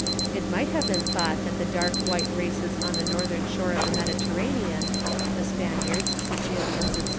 It might have been thought that the dark white races on the northern shore of the Mediterranean the Spaniards, Sicilians, &c.